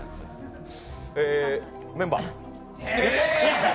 え、メンバー！